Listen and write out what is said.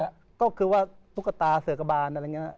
ก็คือว่าตุ๊กตาเสือกบานอะไรอย่างนี้